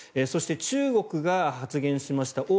そして、中国が発言しました。